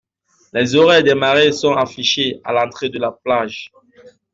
Les horaires des marées sont affichés à l’entrée de la plage.